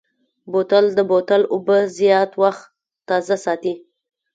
بوتل د بوتل اوبه زیات وخت تازه ساتي.